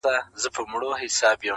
زه وېرېدم له اشارو د ګاونډیانو څخه -